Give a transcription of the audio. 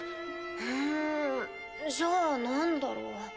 うんじゃあなんだろう？